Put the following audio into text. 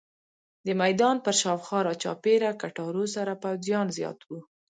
د میدان پر شاوخوا راچاپېره کټارو سره پوځیان زیات وو.